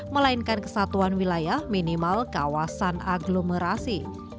melainkan kesatuan wilayah minimal dan kesehatan yang terhadap kesehatan yang terhadap kesehatan yang terhadap